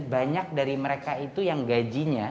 banyak dari mereka itu yang gajinya